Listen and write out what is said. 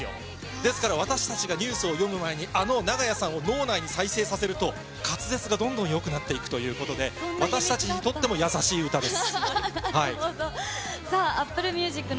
ですから、私たちがニュースを読む前に、あのながやさんを脳内に再生させると、滑舌がどんどんよくなっていくということで、私たちにとっても優しい歌です。